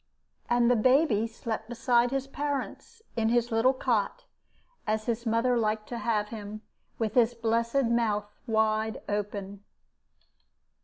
And the baby slept beside his parents in his little cot, as his mother liked to have him, with his blessed mouth wide open.